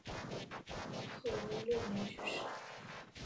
赤乌六年去世。